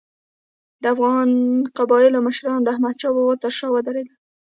د افغان قبایلو مشران د احمدشاه بابا تر شا ودرېدل.